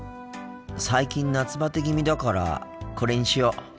最近夏バテ気味だからこれにしよう。